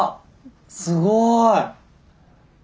すごい！